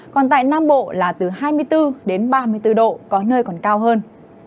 còn tại nam bộ là từ hai mươi bốn đến ba mươi bốn độ có nơi còn cao hơn